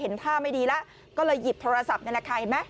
เห็นท่าไม่ดีแล้วก็เลยหยิบโทรศัพท์ในระคายไหม